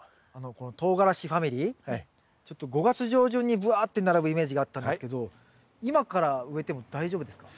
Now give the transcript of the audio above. このとうがらしファミリーちょっと５月上旬にぶわって並ぶイメージがあったんですけど今から植えても大丈夫ですか？